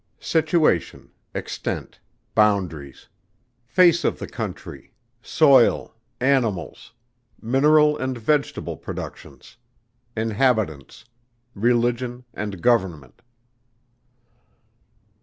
_Situation. Extent. Boundaries. Face of the Country. Soil, Animals. Mineral and Vegetable Productions. Inhabitants, Religion, and Government.